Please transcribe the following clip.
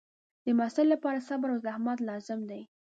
د محصل لپاره صبر او زحمت لازم دی.